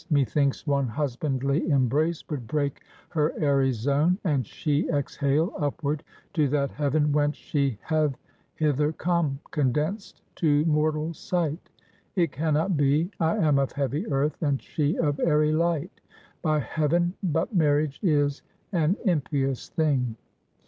Methinks one husbandly embrace would break her airy zone, and she exhale upward to that heaven whence she hath hither come, condensed to mortal sight. It can not be; I am of heavy earth, and she of airy light. By heaven, but marriage is an impious thing!